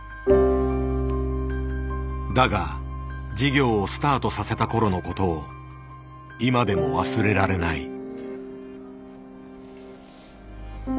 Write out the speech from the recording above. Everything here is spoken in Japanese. だが事業をスタートさせた頃のことを今でも忘れられない。